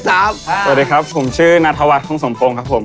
สวัสดีครับผมชื่อนาธวัฒนคงสมพงศ์ครับผม